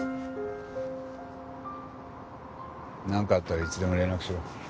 なんかあったらいつでも連絡しろ。